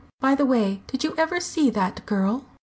By the way, did you ever see that girl?"